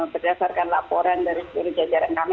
berdasarkan laporan dari sejajaran kami